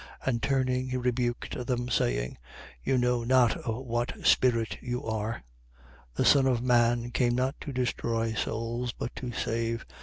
9:55. And turning, he rebuked them, saying: you know not of what spirit you are. 9:56. The Son of man came not to destroy souls, but to save.